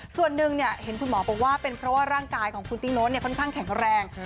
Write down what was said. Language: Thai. ส่วนหนึ่งเห็นคุณหมอบอกว่าเป็นเพราะว่าร่างกายของคุณติ๊โน้ตค่อนข้างแข็งแรง